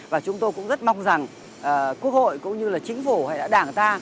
và chúng tôi cũng rất mong rằng quốc hội cũng như là chính phủ hay là đảng ta